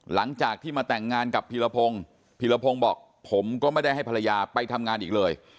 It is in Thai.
หลังจากที่มาแต่งงานกับพีรพงศ์พีรพงศ์บอกผมก็ไม่ได้ให้ภรรยาไปทำงานอีกเลย